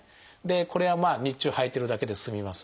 これはまあ日中はいてるだけで済みます。